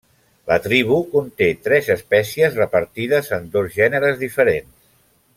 La tribu conté tres espècies repartides en dos gèneres diferents.